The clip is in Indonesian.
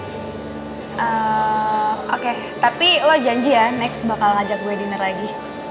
hmm oke tapi lo janji ya next bakal ngajak gue dinner lagi